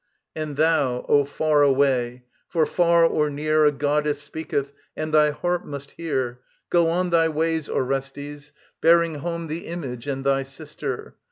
And thou, O far away for, far or near A goddess speaketh and thy heart must hear Go on thy ways, Orestes, bearing home The Image and thy sister.